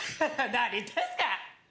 なに言ってんすか！